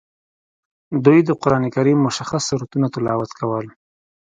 دوی د قران کریم مشخص سورتونه تلاوت کول.